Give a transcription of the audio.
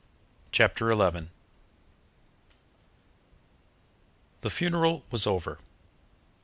Chapter 11 The funeral was over.